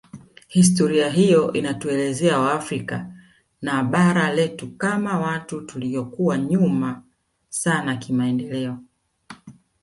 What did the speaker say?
Historia hiyo inatuelezea waafrika na bara letu kama watu tuliokuwa nyuma sana kimaendeleo